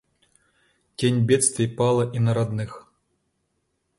Тень бедствий пала и на родных.